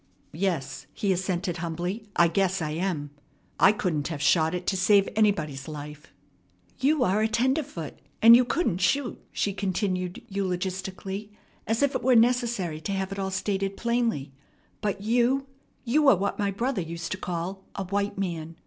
"Yes," he assented humbly, "I guess I am. I couldn't have shot it to save anybody's life." "You are a tenderfoot, and you couldn't shoot," she continued eulogistically, as if it were necessary to have it all stated plainly, "but you you are what my brother used to call 'a white man.'